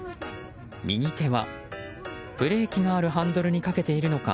右手はブレーキがあるハンドルにかけているのか